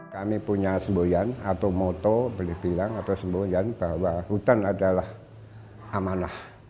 kami punya sembunyian atau moto boleh dibilang atau sembunyian bahwa hutan adalah amanah